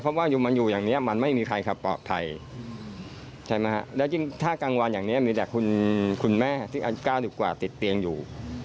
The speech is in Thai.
เพราะว่ามันอยู่อย่างนี้มันไม่มีใครขับปลอดภัยใช่ไหมฮะแล้วยิ่งถ้ากลางวันอย่างนี้มีแต่คุณแม่ที่อายุ๙๐กว่าติดเตียงอยู่